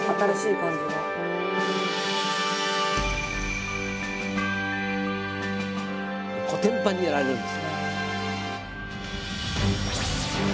コテンパンにやられるんです。